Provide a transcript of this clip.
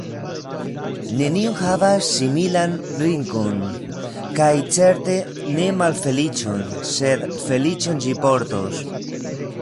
Neniu havas similan ringon kaj certe ne malfeliĉon, sed feliĉon ĝi portos.